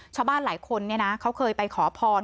ชาวบ้านหลายคนเขาเคยไปขอพร